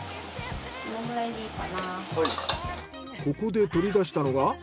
ここで取り出したのが。